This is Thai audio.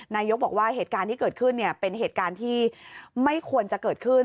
นายกบอกว่าเหตุการณ์ที่เกิดขึ้นเป็นเหตุการณ์ที่ไม่ควรจะเกิดขึ้น